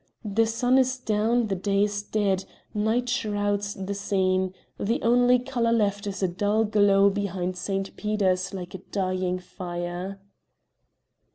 The sun is down, the day is dead, night shrouds the scene; the only color left is a dull glow behind St. Peter's like a dying fire.